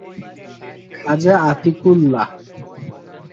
Khwaja Atiqullah